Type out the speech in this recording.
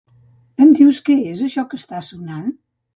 Em dius que és això que està sonant?